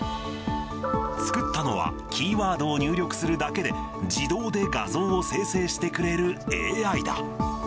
作ったのは、キーワードを入力するだけで自動で画像を生成してくれるＡＩだ。